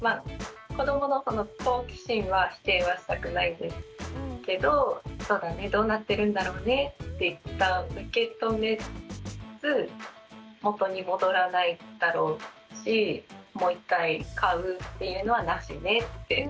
子どもの好奇心は否定はしたくないですけどそうだねどうなってるんだろうねって一旦受け止めつつ元に戻らないだろうしもう一回買うっていうのはなしねって。